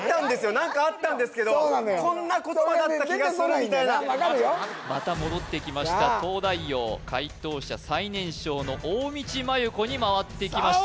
何かあったんですけどこんな言葉だった気がするみたいなまた戻ってきました東大王解答者最年少の大道麻優子に回ってきました